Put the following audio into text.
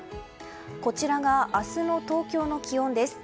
こちらが、明日の東京の気温です。